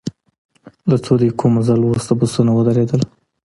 له څو دقیقو مزل وروسته بسونه ودرېدل.